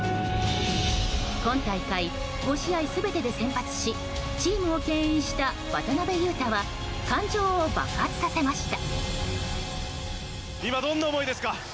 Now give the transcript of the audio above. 今大会５試合全てで先発しチームを牽引した渡邊雄太は感情を爆発させました。